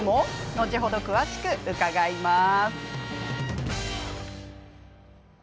後ほど詳しく伺います。